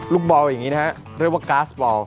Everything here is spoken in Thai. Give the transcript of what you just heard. ลูกบอลอย่างนี้นะฮะเรียกว่าก๊าซบอล